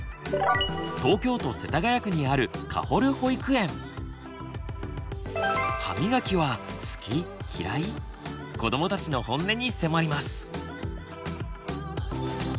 東京都世田谷区にあるこどもたちのホンネに迫ります！